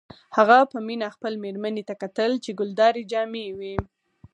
هغه به په مینه خپلې میرمنې ته کتل چې ګلدارې جامې یې وې